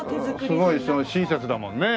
すごい親切だもんね。